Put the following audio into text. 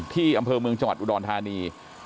ที่อำเภอเมืองจังหวัดอุดรธานี